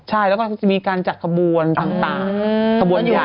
ใช่แล้วก็จะมีการจัดขบวนต่างขบวนใหญ่